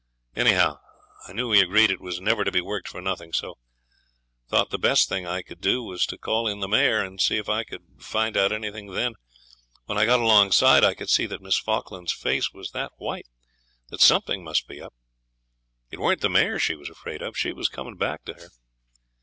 Anyhow, I knew we agreed it was never to be worked for nothing, so thought the best thing I could do was to call in the mare, and see if I could find out anything then. When I got alongside, I could see that Miss Falkland's face was that white that something must be up. It weren't the mare she was afraid of. She was coming back to her.